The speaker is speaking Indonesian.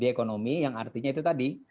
di ekonomi yang artinya itu tadi